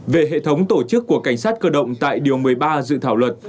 về hệ thống tổ chức của cảnh sát cơ động tại điều một mươi ba dự thảo luật